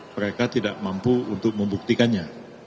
mereka tidak mampu untuk membuktikannya